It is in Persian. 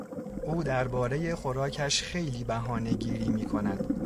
او دربارهی خوراکش خیلی بهانه گیری میکند.